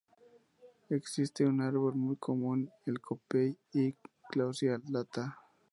Existe un árbol muy común, el copey y Clusia alata.